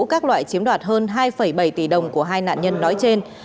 các loại chiếm đoạt hơn hai bảy tỷ đồng của hai nạn nhân nói trên